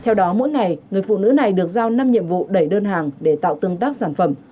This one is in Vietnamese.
theo đó mỗi ngày người phụ nữ này được giao năm nhiệm vụ đẩy đơn hàng để tạo tương tác sản phẩm